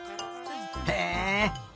へえ。